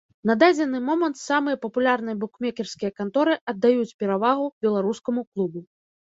На дадзены момант самыя папулярныя букмекерскія канторы аддаюць перавагу беларускаму клубу.